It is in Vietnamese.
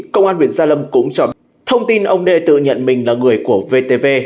công an huyện gia lâm cũng cho biết thông tin ông đê tự nhận mình là người của vtv